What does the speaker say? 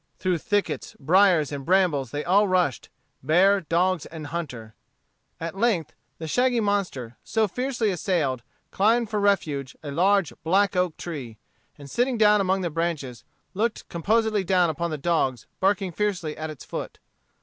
Through thickets, briers, and brambles they all rushed bear, dogs, and hunter. At length, the shaggy monster, so fiercely assailed, climbed for refuge a large black oak tree, and sitting among the branches, looked composedly down upon the dogs barking fiercely at its foot.